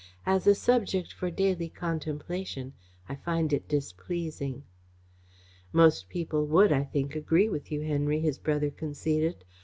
"As a subject for daily contemplation, I find it displeasing." "Most people would, I think, agree with you, Henry," his brother conceded.